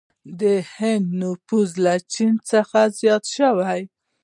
د هند نفوس له چین څخه زیات شو.